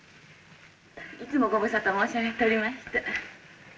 いつもご無沙汰申し上げておりまして。